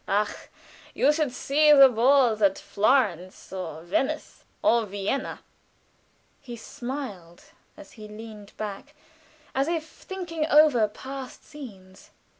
"Ah, you should see the balls at Florence, or Venice, or Vienna!" He smiled as he leaned back, as if thinking over past scenes.